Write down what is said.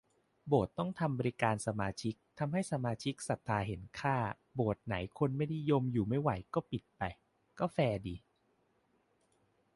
โบสถ์ต้องทำบริการสมาชิกทำให้สมาชิกศรัทธาเห็นค่า โบสถ์ไหนคนไม่นิยมอยู่ไม่ไหวก็ปิดไป ก็แฟร์ดี